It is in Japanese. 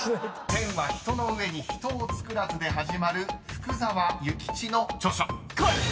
［「天は人の上に人を造らず」で始まる福沢諭吉の著書］